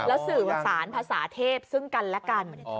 แล้วสื่อสารภาษาเทพซึ่งกันและกัน